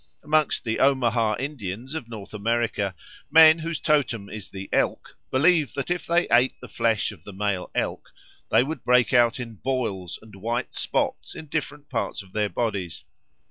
Amongst the Omaha Indians of North America men whose totem is the elk, believe that if they ate the flesh of the male elk they would break out in boils and white spots in different parts of their bodies.